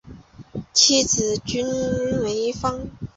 妻子琚逸芳。